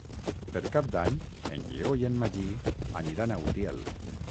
Per Cap d'Any en Lleó i en Magí aniran a Utiel.